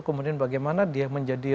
kemudian bagaimana dia menjadi